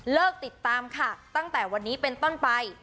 ติดตามค่ะตั้งแต่วันนี้เป็นต้นไป